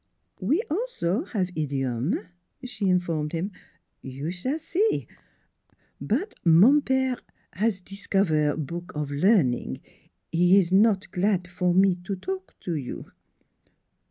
" We also have idiome" she informed him. 144 NEIGHBORS " You s'all see. ... But mon pere has discover book of learning. He is not glad for me talk to you."